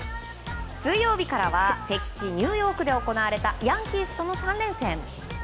水曜日からは敵地ニューヨークで行われたヤンキースとの３連戦。